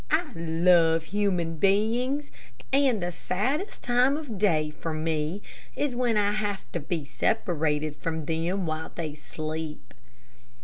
I love human beings; and the saddest time of day for me is when I have to be separated from them while they sleep.